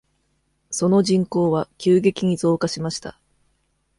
その人口は急激に増加しました。